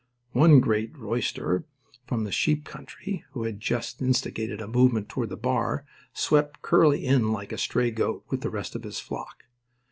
One great roisterer from the sheep country who had just instigated a movement toward the bar, swept Curly in like a stray goat with the rest of his flock.